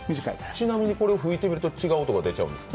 ちなみに吹いてみると違う音が出ちゃうんですか。